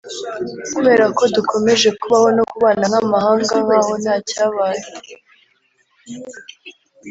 kubera ko dukomeje kubaho no kubana nk’amahanga nk’aho ntacyabaye